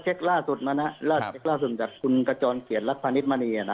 ก็เช็คล่าสุดมานะล่าเช็คล่าสุดจากคุณกระจรเกียรติรักพนิษฐ์มณีอ่ะนะ